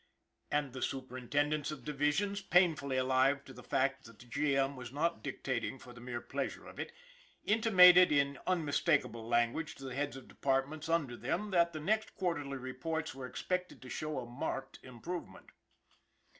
And the superintendents of divisions, painfully alive to the fact that the G. M. was not dictating for the mere pleasure of it, intimated in unmistakable language to the heads of departments under them that the next quarterly reports were ex pected to show a marked improvement.